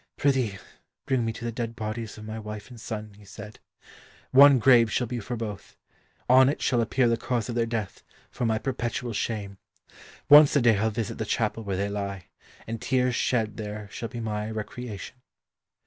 "Prithee, bring me to the dead bodies of my wife and son," he said. "One grave shall be for both; on it shall appear the cause of their death, for my perpetual shame. Once a day I'll visit the chapel where they lie, and tears shed there shall be my recreation."